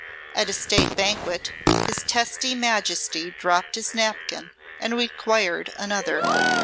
At a state banquet his testy Majesty dropped his napkin and required another.